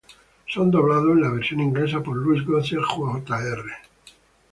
Son doblados en la versión inglesa por Louis Gossett Jr.